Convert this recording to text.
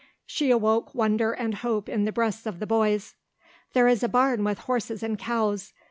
She awoke wonder and hope in the breasts of the boys. "There is a barn with horses and cows.